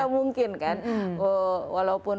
walaupun kadang kadang work for a long time